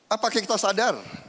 apakah kita sadar